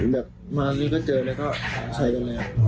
แบบมานี่ก็เจอแล้วก็ใช้กันเลย